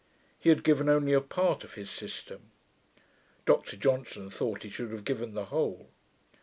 He had given only a part of his system: Dr Johnson thought he should have given the whole.